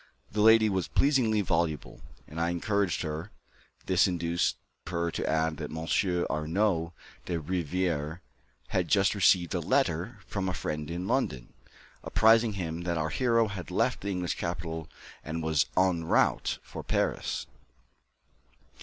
The lady was pleasingly voluble, and I encouraged her; this induced her to add that Monsieur Arnoux de Rivière had just received a letter from a friend in London, apprising him that our hero had left the English capital, and was en route for Paris.